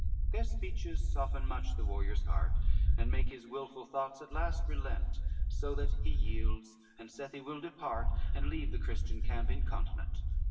LI Their speeches soften much the warrior's heart, And make his wilful thoughts at last relent, So that he yields, and saith he will depart, And leave the Christian camp incontinent.